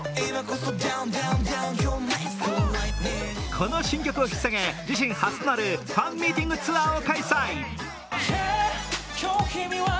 この新曲を引っさげ自身初となるファンミーティングを開催。